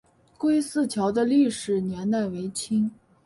归驷桥的历史年代为清。